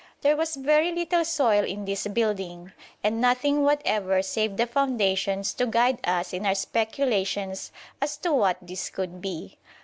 There was very little soil in this building; and nothing whatever save the foundations to guide us in our speculations as to what this could be.